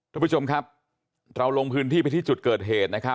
ทุกผู้ชมครับเราลงพื้นที่ไปที่จุดเกิดเหตุนะครับ